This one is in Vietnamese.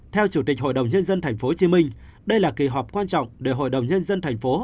theo chủ tịch hội đồng nhân dân thành phố hồ chí minh đây là kỳ họp quan trọng để hội đồng nhân dân thành phố